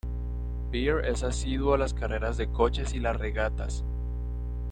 Pierre es asiduo a las carreras de coches y las regatas.